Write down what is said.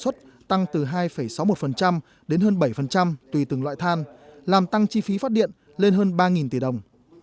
giá than sản xuất tăng từ hai sáu mươi một đến hơn bảy tùy từng loại than làm tăng chi phí phát điện lên hơn ba tỷ đồng